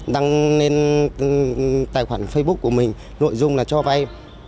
đăng lên tài khoản facebook của mình nội dung là cho vay